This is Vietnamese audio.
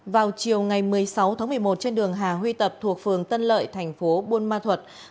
vào chiều ngày một mươi sáu tháng một mươi một trên đường hà huy tập thuộc phường tân lợi thành phố buôn ma thuật